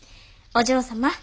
お嬢様。